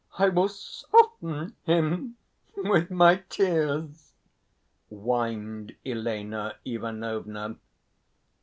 I will soften him with my tears," whined Elena Ivanovna.